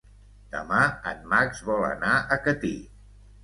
Demà en Max vol anar a Catí.